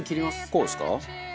こうですか？